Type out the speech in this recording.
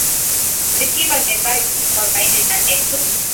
zikiwa zimebaki siku arobaini na nne tu